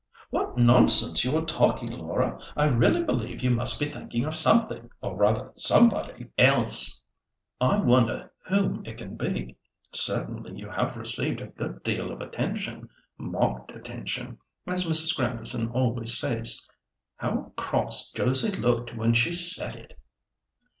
"What nonsense you are talking, Laura! I really believe you must be thinking of something, or rather somebody, else. I wonder whom it can be? Certainly you have received a good deal of attention—'marked attention,' as Mrs. Grandison always says. How cross Josie looked when she said it!